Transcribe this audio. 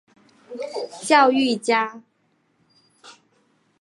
教育家。